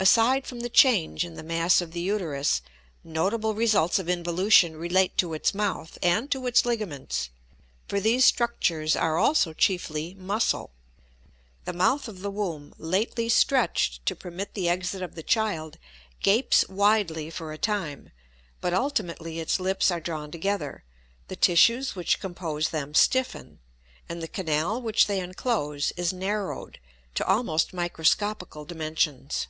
Aside from the change in the mass of the uterus, notable results of involution relate to its mouth and to its ligaments, for these structures are also chiefly muscle. The mouth of the womb, lately stretched to permit the exit of the child, gapes widely for a time; but ultimately its lips are drawn together, the tissues which compose them stiffen, and the canal which they enclose is narrowed to almost microscopical dimensions.